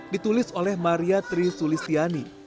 ditulis oleh maria trisulistiani